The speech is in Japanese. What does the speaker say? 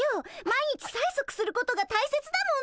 毎日さいそくすることが大切だもんね。